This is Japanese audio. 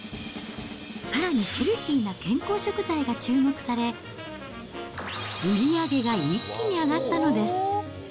さらに、ヘルシーな健康食材が注目され、売り上げが一気に上がったのです。